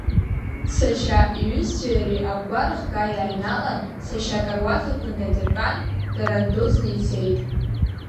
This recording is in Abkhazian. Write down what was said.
Сашьа иҩызцәеи иареи агәгәа рыхга иааҩналан, сашьа акаруаҭ аҟны днадыртәан, дара ндәылҵны ицеит.